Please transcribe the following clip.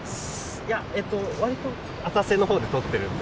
いや割と浅瀬の方で撮ってるんで。